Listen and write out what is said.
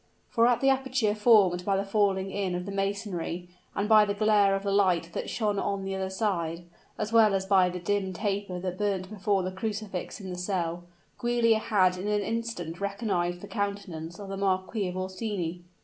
For at the aperture formed by the falling in of the masonry, and by the glare of the light that shone on the other side, as well as by the dim taper that burnt before the crucifix in the cell, Giulia had in an instant recognized the countenance of the Marquis of Orsini.